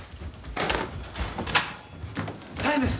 大変です！